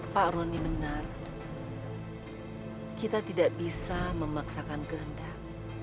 pak roni benar kita tidak bisa memaksakan kehendak